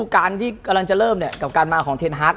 การที่กำลังจะเริ่มกับการมาของเทนฮัก